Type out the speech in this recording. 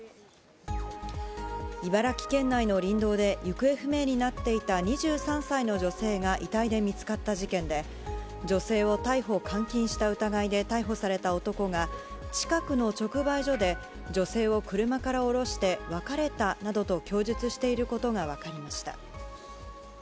茨城県内の林道で行方不明になっていた２３歳の女性が遺体で見つかった事件で、女性を逮捕監禁した疑いで逮捕された男が、近くの直売所で女性を車から降ろして別れたなどと供述していることが分かりました。